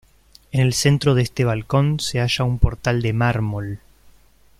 En el centro de este balcón se halla un portal de mármol.